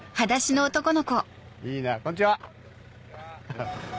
いいなこんにちは！